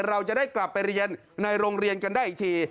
เราจะได้กลับไปเรียนในโรงเรียนกันได้อีกที